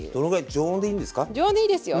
常温でいいですよ。